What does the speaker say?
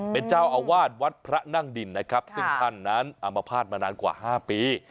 เป็นเจ้าอาวาสวัดพระนั่งดินนะครับซึ่งท่านนั้นอามภาษณ์มานานกว่า๕ปี